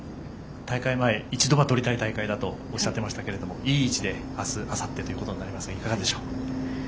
大会前、一度は取りたい大会だとおっしゃってましたがいい位置で明日、あさってということになりますがいかがでしょう？